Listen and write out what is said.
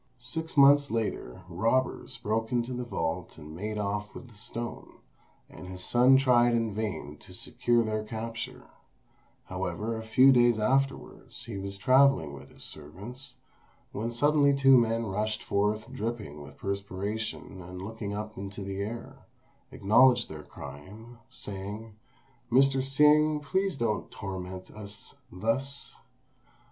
Six months later robbers broke into the vault and made off with the stone, and his son tried in vain to secure their capture; however, a few days afterwards, he was travelling with his servants, when suddenly two men rushed forth dripping with perspiration, and looking up into the air, acknowledged their crime, saying, "Mr. Hsing, please don't torment us thus!